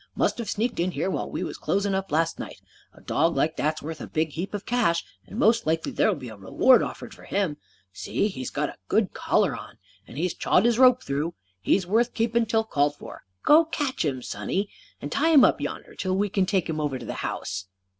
Must have sneaked in here while we was closin' up last night. A dog like that is worth a big heap of cash. And most likely there'll be a reward offered for him. See, he's got a good collar on. And he's chawed his rope through. He's worth keepin' till called for. Go, catch him, sonny. And tie him up yonder, till we c'n take him over to the house."